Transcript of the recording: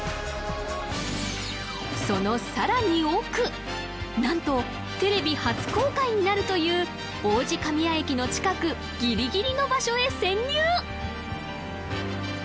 そのさらに奥なんとテレビ初公開になるという王子神谷駅の近くギリギリの場所へ潜入！